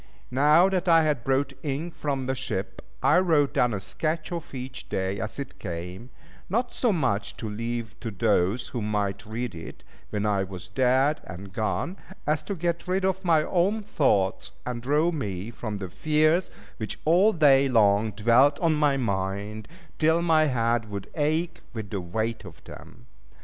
Now that I had brought ink from the ship, I wrote down a sketch of each day as it came; not so much to leave to those who might read it, when I was dead and gone, as to get rid of my own thoughts, and draw me from the fears which all day long dwelt on my mind, till my head would ache with the weight of them.